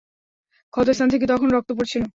ক্ষতস্থান থেকে তখনও রক্ত পড়ছিল।